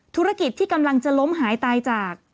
ธุรกิจที่กำลังจะล้มหายตายจาก